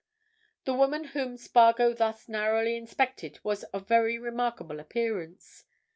The woman whom Spargo thus narrowly inspected was of very remarkable appearance.